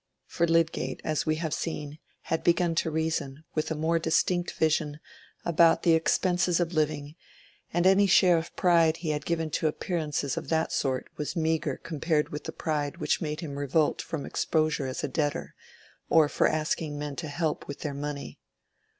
For Lydgate, as we have seen, had begun to reason, with a more distinct vision, about the expenses of living, and any share of pride he had given to appearances of that sort was meagre compared with the pride which made him revolt from exposure as a debtor, or from asking men to help him with their money.